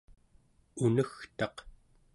unegtaq